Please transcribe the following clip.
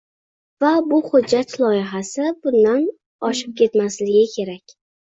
Va bu hujjat loyihasi bundan oshib ketmasligi kerak